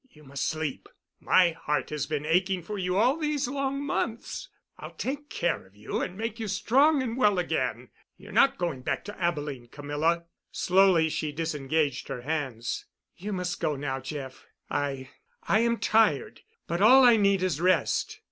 You must sleep. My heart has been aching for you all these long months. I'll take care of you and make you strong and well again. You're not going back to Abilene, Camilla." Slowly she disengaged her hands. "You must go now, Jeff. I—I am tired. But all I need is rest.